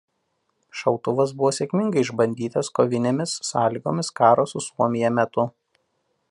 Šautuvas buvo sėkmingai išbandytas kovinėmis sąlygomis karo su Suomija metu.